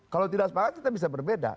kalau tidak sepakat kita bisa berbeda